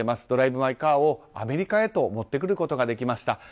「ドライブ・マイ・カー」をアメリカへと持ってくることができました。